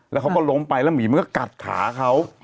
แล้วเขาก็ล้มไปแล้วหมีมันก็กัดขาเขา